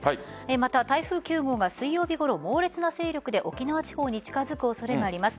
また、台風９号が水曜日ごろ猛烈な勢力で沖縄地方に近づく恐れがあります。